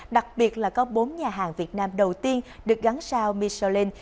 đặc biệt là có bốn nhà hàng việt nam đầu tiên được gắn sao mishalin